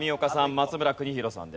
松村邦洋さんです。